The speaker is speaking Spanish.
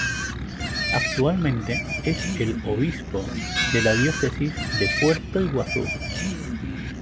Actualmente es el Obispo de la Diócesis de Puerto Iguazú.